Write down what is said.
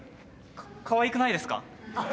かわいくないですか？